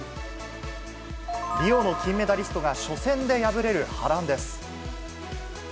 リオの金メダリストが初戦で敗れる波乱です。